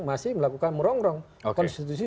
masih melakukan merongrong konstitusi